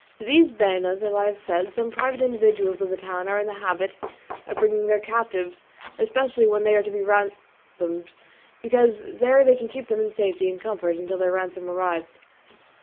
To these banos, as I have said, some private individuals of the town are in the habit of bringing their captives, especially when they are to be ransomed; because there they can keep them in safety and comfort until their ransom arrives.